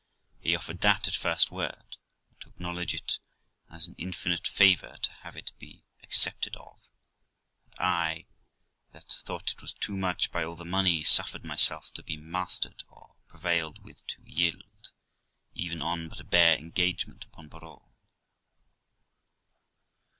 He offered that at first word, and to acknowledge it as an infinite favour to have it be accepted of; and I, that thought it was too much by all the money, suffered myself to be mastered, or prevailed with to yield, even on but a bare engagement upon parole.